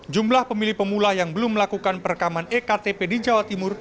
jumlah pemilih pemula yang belum melakukan perekaman ektp di jawa timur